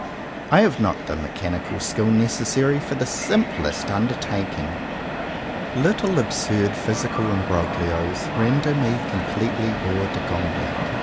I have not the mechanical skill necessary for the simplest undertaking. Little absurd physical imbroglios render me completely hors de combat.